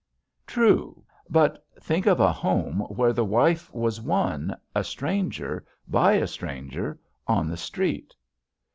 "True. But think of a home where the wife was won, a stranger, by a stranger, on the street."